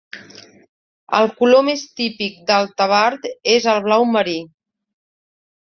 El color més típic del tabard és el blau marí.